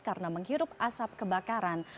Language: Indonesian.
karena menghirup asap kebakaran